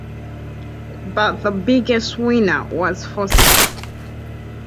But the biggest winner was Fosse.